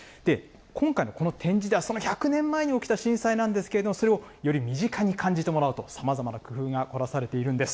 今回のこの展示では、その１００年前に起きた震災なんですけれども、それをより身近に感じてもらおうと、さまざまな工夫が凝らされているんです。